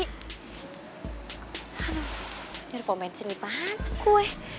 komensi nih pangkul